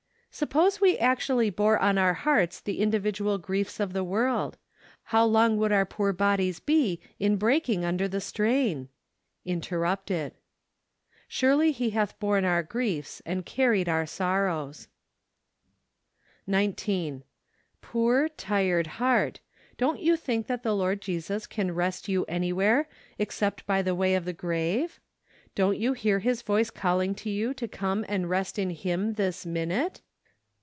Suppose we actually bore on our hearts the individual griefs of the world ? How long would our poor bodies be in breaking under the strain ? Interrupted. " Surely he hath borne our griefs, and carried our sorrows ." 104 SEPTEMBER* 10. Poor, tired heart. Don't you think that the Lord Jesus can rest you anywhere except by the way of the grave ? Don't you hear His voice calling to you to come and rest in Him this minute